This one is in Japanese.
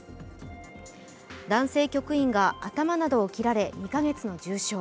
男性局員が頭などを切られ２か月の重傷。